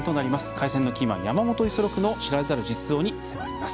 開戦のキーマン山本五十六の知られざる実像に迫ります。